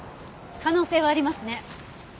可能性はありますね。